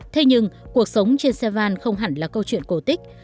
thế nhưng cuộc sống trên xe van không hẳn là câu chuyện cổ tích